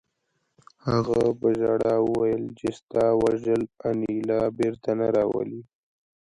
هغه په ژړا وویل چې ستا وژل انیلا بېرته نه راولي